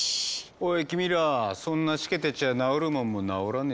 おい君らそんなしけてちゃ治るもんも治らねえぞ。